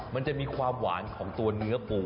มันจะมีความหวานของตัวเนื้อปู